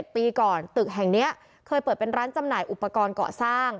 ปีก่อนตึกแห่งนี้เคยเปิดเป็นร้านจำหน่ายอุปกรณ์เกาะสร้าง